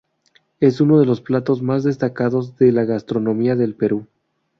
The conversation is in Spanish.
Es uno de los platos más destacados de la gastronomía del Perú.